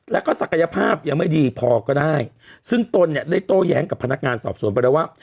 แล้วก็ศักยภาพยังไม่ดีพอก็ได้ซึ่งตนเนี่ยได้โต้แย้งกับพนักงานสอบสวนไปแล้วว่า